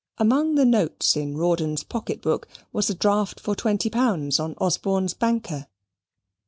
Among the notes in Rawdon's pocket book was a draft for twenty pounds on Osborne's banker.